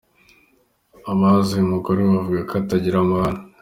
Abazi uyu mugore bavuga ko atagira amahane.